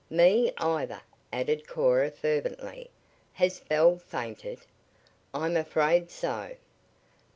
"Me either," added Cora fervently. "Has Belle fainted?" "I'm afraid so."